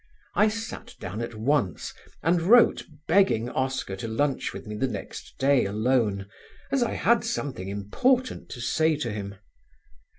I sat down at once and wrote begging Oscar to lunch with me the next day alone, as I had something important to say to him.